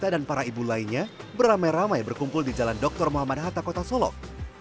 para ibu lainnya beramai ramai berkumpul di jalan dr muhammad hatta kota solok